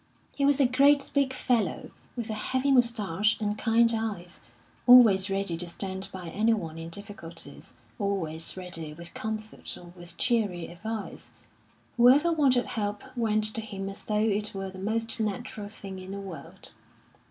He was a great big fellow, with a heavy moustache and kind eyes; always ready to stand by anyone in difficulties, always ready with comfort or with cheery advice; whoever wanted help went to him as though it were the most natural thing in the world.